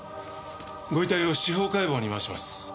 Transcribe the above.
ご遺体を司法解剖に回します。